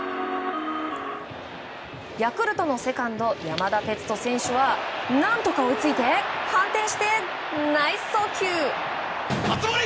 ヤクルトのセカンド山田哲人選手は何とか追いついて、反転してナイス送球！